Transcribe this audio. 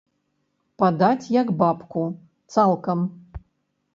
Падаць як бабку, цалкам.